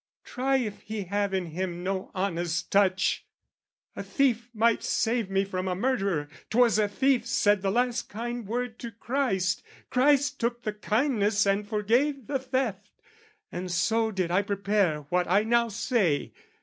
"Try if he have in him no honest touch! "A thief might save me from a murderer. "'Twas a thief said the last kind word to Christ: "Christ took the kindness and forgave the theft: "And so did I prepare what I now say.